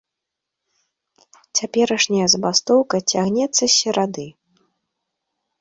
Цяперашняя забастоўка цягнецца з серады.